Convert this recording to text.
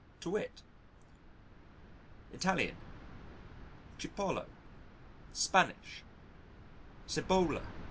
To wit: Italian: Cipollo. Spanish: Cebolla.